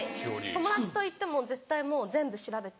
友達と行っても絶対もう全部調べて。